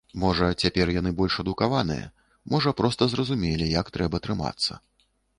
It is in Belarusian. Можа, цяпер яны больш адукаваныя, можа проста зразумелі, як трэба трымацца.